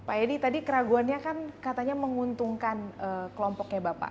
pak edi tadi keraguannya kan katanya menguntungkan kelompoknya bapak